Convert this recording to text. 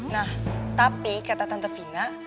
nah tapi kata tante vina